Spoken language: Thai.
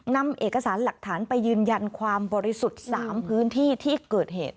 นำเอกสารหลักฐานไปยืนยันความบริสุทธิ์๓พื้นที่ที่เกิดเหตุ